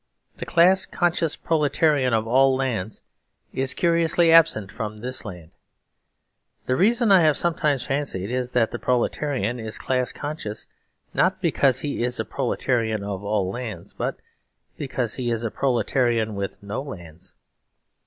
The Class conscious Proletarian of All Lands is curiously absent from this land. The reason (I have sometimes fancied) is that the Proletarian is class conscious, not because he is a Proletarian of All Lands, but because he is a Proletarian with no lands.